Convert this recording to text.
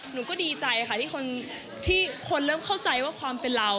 หนูก็ดีใจค่ะที่คนเริ่มเข้าใจว่าความเป็นเรา